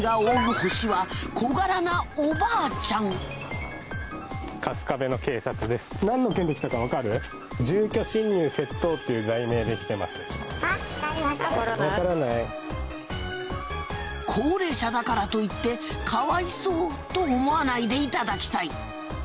ホシは小柄な高齢者だからといってかわいそうと思わないでいただきたい。